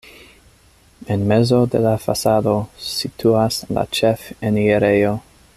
En mezo de la fasado situas la ĉefenirejo.